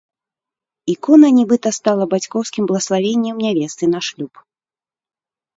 Ікона нібыта стала бацькоўскім блаславеннем нявесты на шлюб.